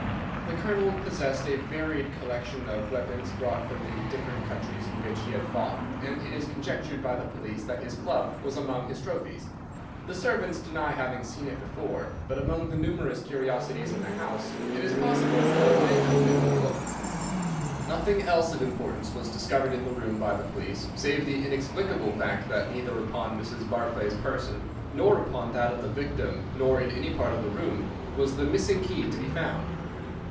The Colonel possessed a varied collection of weapons brought from the different countries in which he had fought, and it is conjectured by the police that his club was among his trophies. The servants deny having seen it before, but among the numerous curiosities in the house it is possible that it may have been overlooked. Nothing else of importance was discovered in the room by the police, save the inexplicable fact that neither upon Mrs. Barclay's person nor upon that of the victim nor in any part of the room was the missing key to be found.